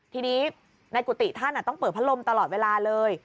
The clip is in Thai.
ทีนี้ในกุฏิท่านต้องเปิดพัดลมตลอดเวลาเลย